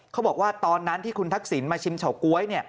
เขาบอกว่าตอนนั้นที่คุณทักษิณมาชิมเฉาก๊วย